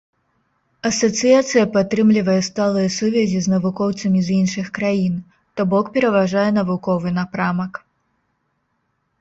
Асацыяцыя падтрымлівае сталыя сувязі з навукоўцамі з іншых краін, то бок пераважае навуковы напрамак.